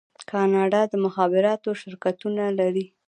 کاناډا د مخابراتو شرکتونه لري.